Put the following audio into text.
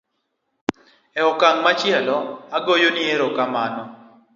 e okang' machielo agoyo ni erokamano